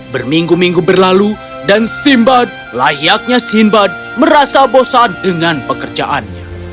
berminggu minggu berlalu dan simbad layaknya simbad merasa bosan dengan pekerjaannya